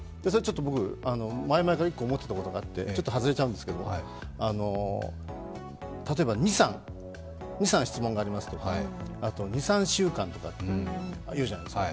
僕、前々から１個思っていたことがあって、ちょっと外れちゃうんですけど、例えば２３質問がありますと、あと２３週間とか言うじゃないですか。